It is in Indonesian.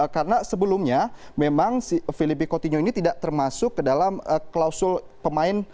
karena sebelumnya memang filipe coutinho ini tidak termasuk ke dalam klausul pemain